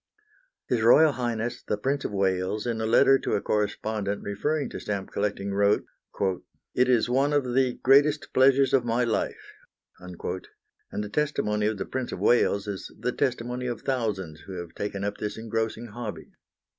His Royal Highness the Prince of Wales, in a letter to a correspondent, referring to stamp collecting, wrote: "It is one of the greatest pleasures of my life"; and the testimony of the Prince of Wales is the testimony of thousands who have taken up this engrossing hobby.